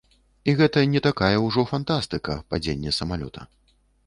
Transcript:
І гэта не такая ўжо фантастыка, падзенне самалёта.